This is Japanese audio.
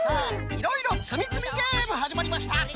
いろいろつみつみゲームはじまりました。